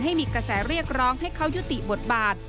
ให้มีกระแสเรียกร้องให้เขายุติบทบาท